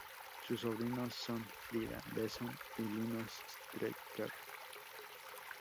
Sus sobrinos son Frieda Besson y Linus Strecker.